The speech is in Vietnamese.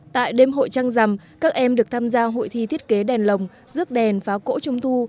tại đêm hội trăng rằm các em được tham gia hội thi thiết kế đèn lồng rước đèn phá cỗ trung thu